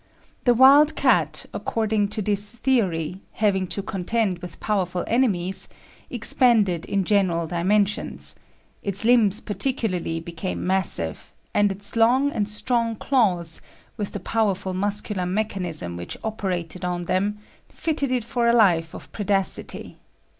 The wild cat, according to this theory, having to contend with powerful enemies, expanded in general dimensions; its limbs, particularly, became massive; and its long and strong claws, with the powerful muscular mechanism which operated on them, fitted it for a life of predacity.